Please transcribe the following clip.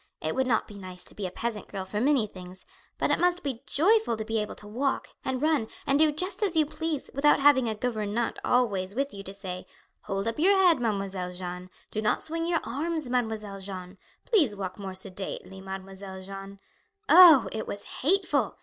"It would not be nice to be a peasant girl for many things; but it must be joyful to be able to walk, and run, and do just as you please, without having a gouvernante always with you to say, Hold up your head, Mademoiselle Jeanne; Do not swing your arms, Mademoiselle Jeanne; Please walk more sedately, Mademoiselle Jeanne. Oh, it was hateful!